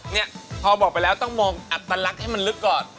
เนี่ยพอบอกไปแล้วต้องมองอัตลักษณ์ให้มันลึกก่อน